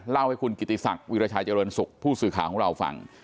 เล่าให้คุณกิติศักดิ์วิราชัยเจริญสุขผู้สื่อข่าวของเราฟัง